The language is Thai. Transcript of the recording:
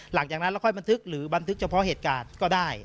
หลังจากนั้นแล้วค่อยบันทึกหรือบันทึกเฉพาะเหตุการณ์ก็ได้